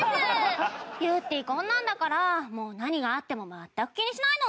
ゆってぃこんなんだからもう何があっても全く気にしないの。